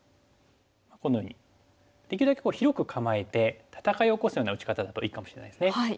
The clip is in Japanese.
このようにできるだけ広く構えて戦いを起こすような打ち方だといいかもしれないですね。